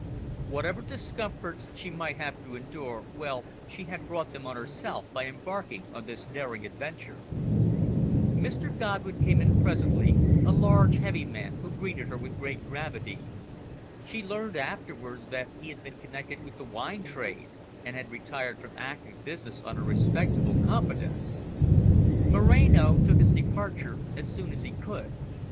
Whatever discomforts she might have to endure, well she had brought them on herself by embarking on this daring adventure. Mr Godwin came in presently, a large, heavy man, who greeted her with great gravity. She learned afterwards that he had been connected with the wine trade, and had retired from active business on a respectable competence. Moreno took his departure as soon as he could.